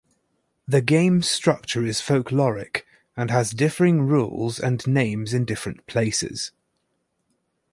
The game structure is folkloric and has differing rules and names in different places.